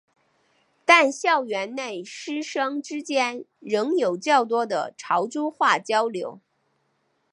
但校园内师生之间仍有较多的潮州话交流。